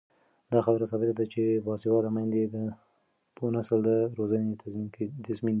دا خبره ثابته ده چې باسواده میندې د پوه نسل د روزنې تضمین دي.